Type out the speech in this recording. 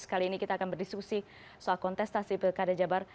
kali ini kita akan berdiskusi soal kontestasi pilkada jabar